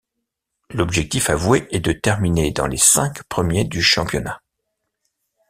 L'objectif avoué est de terminer dans les cinq premiers du championnat.